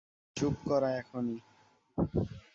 চুপ করা এখনি!